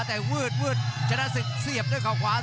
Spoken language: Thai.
แต่วืดธนาศึกเสียบด้วยข่าวขวา